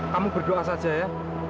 kamu berdoa saja ya